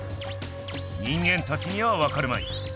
人間たちにはわかるまい。